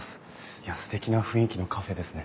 いやすてきな雰囲気のカフェですね。